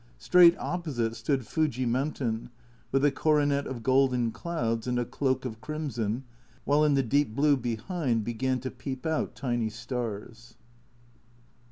Straight opposite stood Fuji mountain, with a coronet of golden clouds and a cloak of crimson, while in the deep blue behind began to peep out tiny stars.